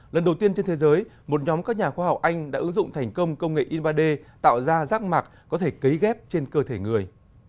lần đầu tiên trên thế giới một nhóm các nhà khoa học anh đã ứng dụng thành công công nghệ in ba d tạo ra rác mạc có thể cấy ghép trên cơ thể người